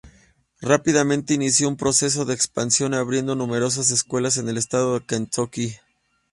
Rápidamente inició un proceso de expansión, abriendo numerosas escuelas en el estado de Kentucky.